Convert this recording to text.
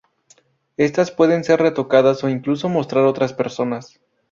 Estas pueden ser retocadas o incluso mostrar otras personas.